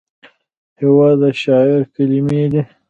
هېواد د شاعر کلمې دي.